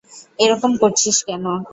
এরকম করছিস কেন?